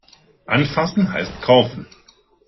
Anfassen heißt kaufen.